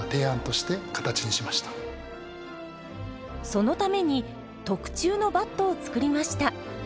そのために特注のバットを作りました。